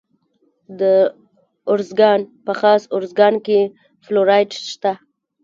د ارزګان په خاص ارزګان کې فلورایټ شته.